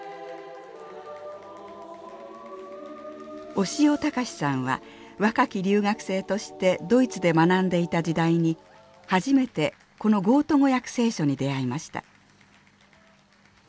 小塩節さんは若き留学生としてドイツで学んでいた時代に初めてこのゴート語訳聖書に出会いました。